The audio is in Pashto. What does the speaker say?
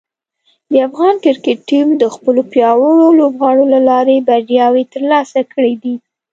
د افغان کرکټ ټیم د خپلو پیاوړو لوبغاړو له لارې بریاوې ترلاسه کړې دي.